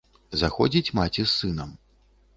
Заходзіць маці з сынам.